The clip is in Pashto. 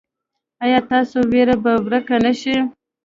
ایا ستاسو ویره به ورکه نه شي؟